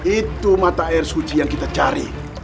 itu mata air suci yang kita cari